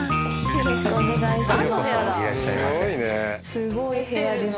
よろしくお願いします。